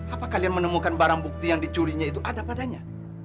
apa kalian menemukan barang bukti yang dicurinya itu ada padanya